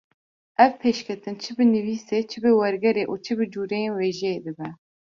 ev pêşketin çi bi nivîsê, çi bi wergerê û çi bi cûreyên wêjeyê dibe.